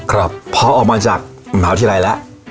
ครับพอออกมาจากมหาวิทยาลัยแล้ว